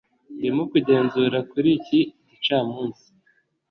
ndimo kugenzura kuri iki gicamunsi.